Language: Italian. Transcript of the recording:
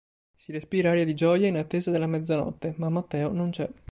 Si respira aria di gioia in attesa della mezzanotte, ma Matteo non c'è.